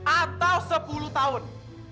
atau sepuluh tahun